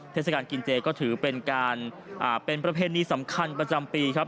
เทศกาลกินเจก็ถือเป็นการเป็นประเพณีสำคัญประจำปีครับ